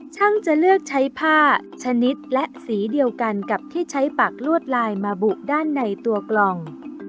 ช่างจะเลือกใช้ผ้าชนิดและสีเดียวกันกับที่ใช้ปากลวดลายมาบุด้านในตัวกล่อง